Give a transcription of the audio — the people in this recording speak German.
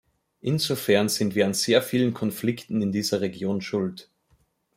Insofern sind wir an sehr vielen Konflikten in dieser Region schuld.